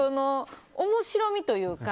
面白みというか。